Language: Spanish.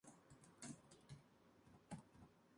Nicholas en Sevenoaks, Kent, Inglaterra.